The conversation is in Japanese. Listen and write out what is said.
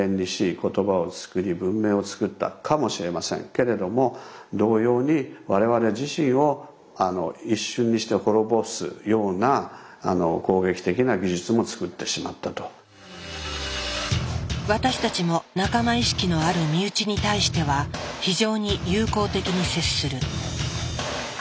けれども同様に私たちも仲間意識のある身内に対しては非常に友好的に接する。